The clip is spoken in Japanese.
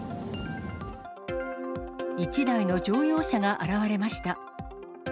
１台の乗用車が現れました。